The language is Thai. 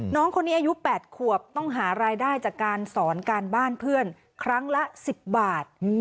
น้องคนนี้อายุ๘ขวบต้องหารายได้จากการสอนการบ้านเพื่อนครั้งละ๑๐บาท